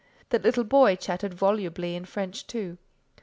The little boy chattered volubly in French too.